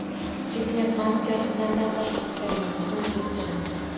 Ketyapmanu jahldan dagʻ-dagʻ titrayman, xoʻrligim keladi.